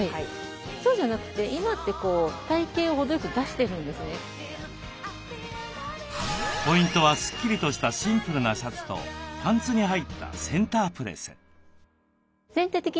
そうじゃなくてポイントはスッキリとしたシンプルなシャツとパンツに入ったセンタープレス。